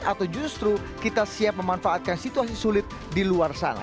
atau justru kita siap memanfaatkan situasi sulit di luar sana